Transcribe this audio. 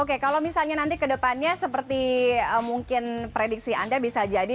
oke kalau misalnya nanti kedepannya seperti mungkin prediksi anda bisa jadi